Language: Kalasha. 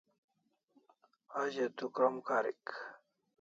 A ze tu krom karik